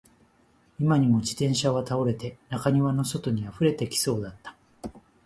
今にも自転車は倒れて、中庭の外に溢れてきそうだった